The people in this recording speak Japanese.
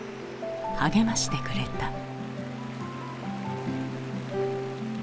励ましてくれた。